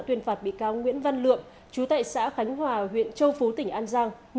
tuyên phạt bị cáo nguyễn văn lượng chú tại xã khánh hòa huyện châu phú tỉnh an giang